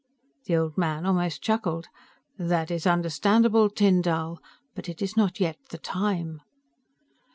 The old man almost chuckled, "That is understandable, Tyn Dall, but it is not yet The Time."